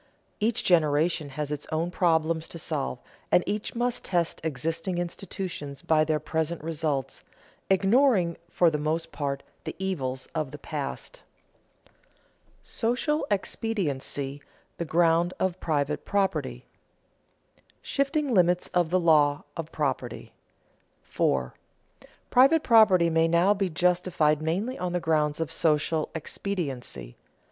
Each generation has its own problems to solve, and each must test existing institutions by their present results, ignoring for the most part the evils of the past. [Sidenote: Social expediency the ground of private property] [Sidenote: Shifting limits of the law of property] 4. _Private property may now be justified mainly on the grounds of social expediency.